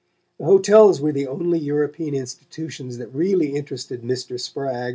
The hotels were the only European institutions that really interested Mr. Spragg.